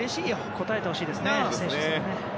応えてほしいですね。